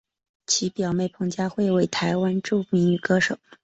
其表妹彭佳慧为台湾著名女歌手。